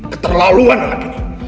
keterlaluan anak ini